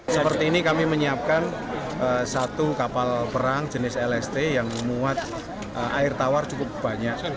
seperti ini kami menyiapkan satu kapal perang jenis lst yang memuat air tawar cukup banyak